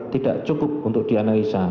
tidak cukup untuk dianalisa